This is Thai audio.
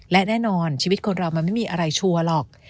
และแน่นอนชีวิตคนเรามันไม่มีอะไรชัวร์หรอก